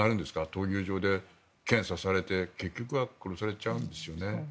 闘牛場で検査されて結局は殺されちゃうんですよね。